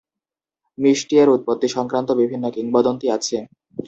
মিষ্টি এর উৎপত্তি সংক্রান্ত বিভিন্ন কিংবদন্তি আছে।